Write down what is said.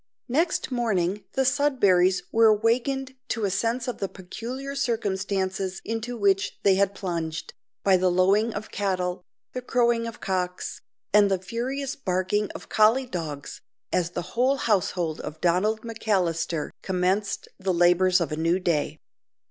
Next morning the Sudberrys were awakened to a sense of the peculiar circumstances into which they had plunged, by the lowing of cattle, the crowing of cocks, and the furious barking of collie dogs, as the household of Donald McAllister commenced the labours of a new day.